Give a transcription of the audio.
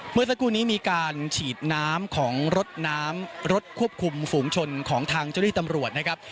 เมื่อสักครู่นี้มีการฉีดน้ำของรถน้ำรถควบคุมฝูงชนของทางเจ้าหน้าที่ตำรวจนะครับ